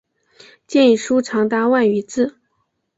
建议书长达万余字。